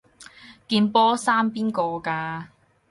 件波衫邊個㗎？